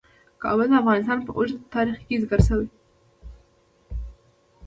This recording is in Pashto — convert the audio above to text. کابل د افغانستان په اوږده تاریخ کې ذکر شوی دی.